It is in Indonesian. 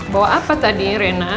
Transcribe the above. bawa apa tadi rena